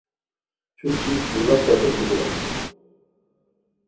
چھو چی پور ا تتے ُلو دوم